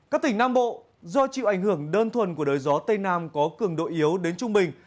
các tỉnh nam bộ do chịu ảnh hưởng đơn thuần của đới gió tây nam có cường độ yếu đến trung bình